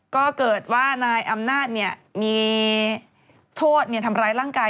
ก็เกิดว่านายอำนาจมีโทษทำร้ายร่างกาย